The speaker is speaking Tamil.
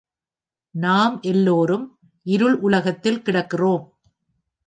நாம் எல்லோரும் இருள் உலகத்தில் கிடக்கிறோம்.